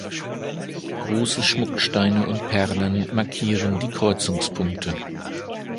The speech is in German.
Große Schmucksteine und Perlen markieren die Kreuzungspunkte.